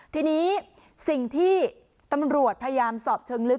ทีนี้สิ่งที่ตำรวจพยายามสอบเชิงลึก